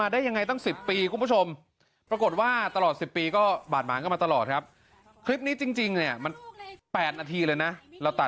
เดี๋ยวเอากล้องมา